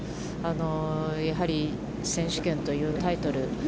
やはり選手権というタイトル。